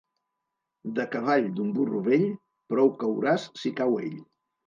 De cavall d'un burro vell prou cauràs si cau ell.